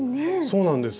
そうなんです。